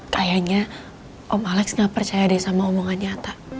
kayaknya om alex gak percaya deh sama omongan nyata